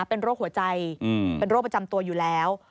เป็นโรคหัวใจเป็นโรคประจำตัวอยู่แล้ว